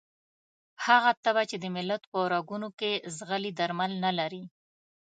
هغه تبه چې د ملت په رګونو کې ځغلي درمل نه لري.